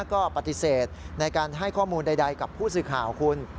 ก็ปฏิเสธในการให้ข้อมูลใดกับผู้สื่อข่าวคุณ